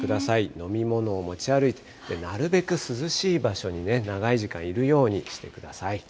飲み物を持ち歩いて、なるべく涼しい場所に長い時間いるようにしてください。